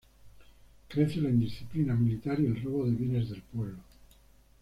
Crece la indisciplina militar y el robo de bienes del pueblo.